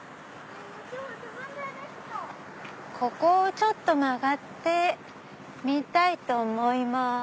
ここをちょっと曲がってみたいと思います。